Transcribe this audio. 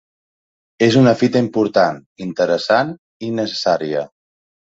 És una fita important, interessant i necessària.